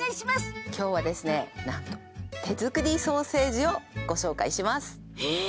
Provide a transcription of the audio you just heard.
今日はですね、なんと手作りソーセージをご紹介します。